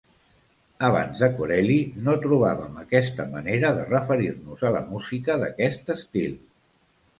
Abans de Corelli no trobàvem aquesta manera de referir-nos a la música d'aquest estil.